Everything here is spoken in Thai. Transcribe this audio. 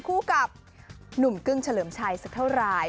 คู่กับหนุ่มกึ้งเฉลิมชัยสักเท่าไร